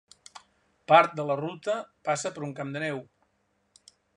Part de la ruta passa per un camp de neu.